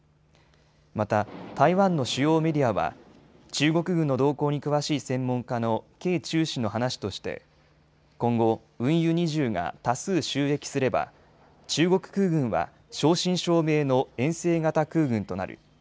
また台湾の主要メディアは中国の動向に詳しい専門家の掲仲氏の話として今後、運油２０が多数就役すれば中国空軍は正真正銘の遠征型空軍となる。